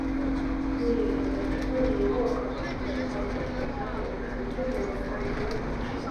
ჯულია რობერტსმა მიიღო ოქროს გლობუსი საუკეთესო მსახიობი ქალისთვის მეორეხარისხოვან როლში.